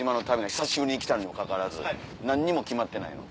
久しぶりに来たにもかかわらず何にも決まってないの。